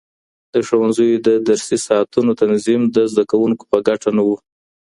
د ښوونځیو د درسي ساعتونو تنظیم د زده کوونکو په ګټه نه و.